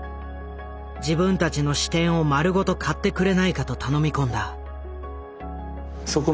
自分たちの支店を丸ごと買ってくれないかと頼み込んだ。